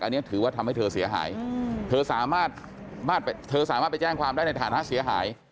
อันนี้ถือว่าทำให้เธอเสียหายเธอสามารถเธอสามารถไปแจ้งความได้ในฐานะเสียหาย